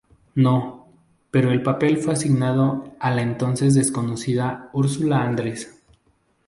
No", pero el papel fue asignado a la entonces desconocida Ursula Andress.